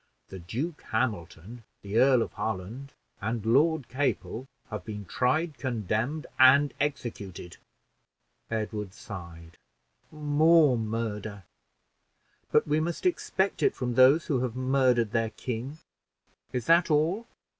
The Duke Hamilton, the Earl of Holland, and Lord Capel have been tried, condemned, and executed." Edward sighed. "More murder! but we must expect it from those who have murdered their king. Is that all?"